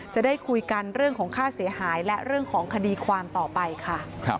จะได้คุยกันเรื่องของค่าเสียหายและเรื่องของคดีความต่อไปค่ะ